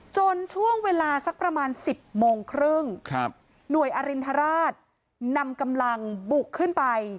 ช่วงเวลาสักประมาณ๑๐โมงครึ่งครับหน่วยอรินทราชนำกำลังบุกขึ้นไป